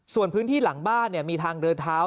ส่วนพื้นที่หลังบ้านมีทางเดินเท้า